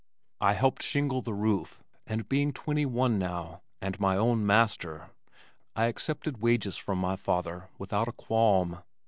I helped shingle the roof, and being twenty one now, and my own master, I accepted wages from my father without a qualm.